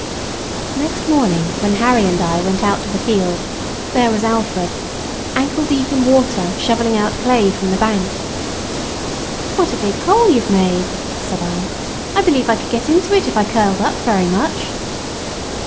Next morning when Harry and I went out into the field, there was Alfred, ankle deep in water shovelling out clay from the bank. "What a big hole you've made," said I. "I believe I could get into it if I curled up very much."